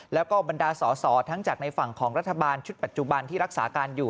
แล้วก็บรรดาสอสอทั้งจากในฝั่งของรัฐบาลชุดปัจจุบันที่รักษาการอยู่